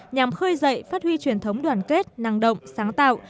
nhằm khơi dậy phát huy truyền thống đoàn kết năng động sáng tạo